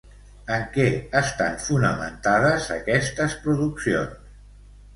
En què estan fonamentades aquestes produccions?